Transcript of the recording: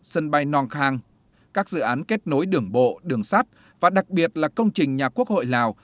sân bay nong khang các dự án kết nối đường bộ đường sắt và đặc biệt là công trình nhà quốc hội lào